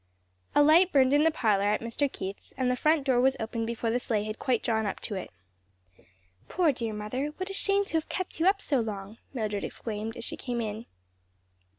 A light burned in the parlor at Mr. Keith's and the front door was opened before the sleigh had quite drawn up to it. "Poor, dear mother! what a shame to have kept you up so long!" Mildred exclaimed as she came in.